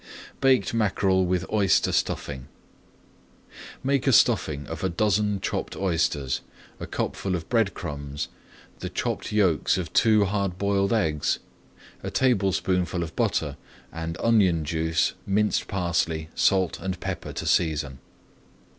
BAKED MACKEREL WITH OYSTER STUFFING Make a stuffing of a dozen chopped oysters, a cupful of bread crumbs, the chopped yolks of two hard boiled eggs, a tablespoonful of butter, and onion juice, minced parsley, salt, and pepper to season.